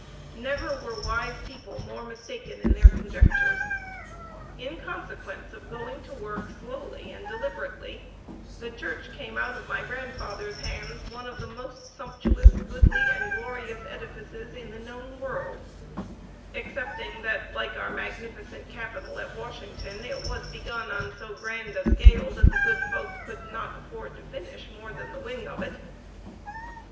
Never were wise people more mistaken in their conjectures. In consequence of going to work slowly and deliberately, the church came out of my grandfather's hands one of the most sumptuous, goodly, and glorious edifices in the known world excepting that, like our magnificent capitol at Washington, it was begun on so grand a scale that the good folk could not afford to finish more than the wing of it.